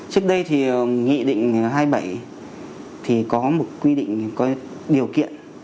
trước đây thì nghị định hai mươi bảy thì có một quy định có điều kiện